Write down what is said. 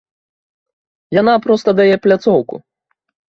Яна проста дае пляцоўку.